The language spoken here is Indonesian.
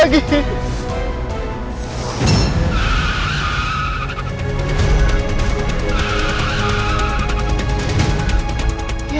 bapak ngebut ya